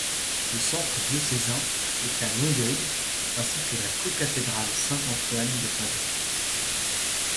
Le Centre diocésain est à Longueuil ainsi que la co-cathédrale Saint-Antoine de Padoue.